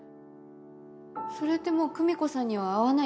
それってもう久美子さんには会わないってことですか？